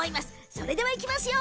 それではいきますよ。